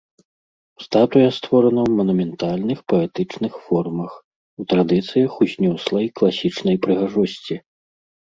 Статуя створана ў манументальных, патэтычных формах, у традыцыях узнёслай класічнай прыгажосці.